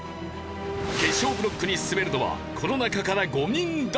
決勝ブロックに進めるのはこの中から５人だけ。